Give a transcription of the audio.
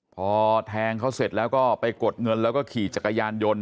พอแทงเขาเสร็จแล้วก็ไปกดเงินแล้วก็ขี่จักรยานยนต์